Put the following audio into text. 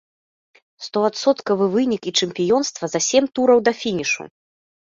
Стоадсоткавы вынік і чэмпіёнства за сем тураў да фінішу!